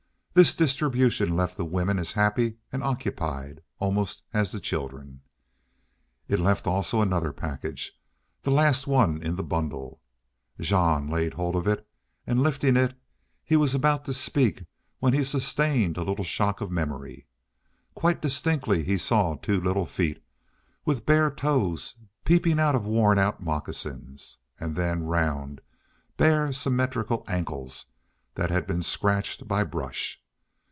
This distribution left the women as happy and occupied, almost, as the children. It left also another package, the last one in the bundle. Jean laid hold of it and, lifting it, he was about to speak when he sustained a little shock of memory. Quite distinctly he saw two little feet, with bare toes peeping out of worn out moccasins, and then round, bare, symmetrical ankles that had been scratched by brush.